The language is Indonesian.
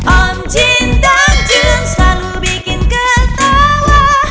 om jin dan jun selalu bikin ketawa